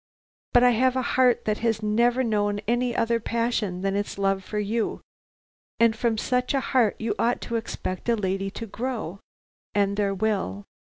But I have a heart that has never known any other passion than its love for you, and from such a heart you ought to expect a lady to grow, and there will.